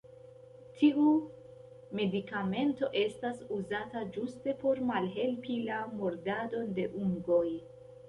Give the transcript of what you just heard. Tiu medikamento estas uzata ĝuste por malhelpi la mordadon de ungoj.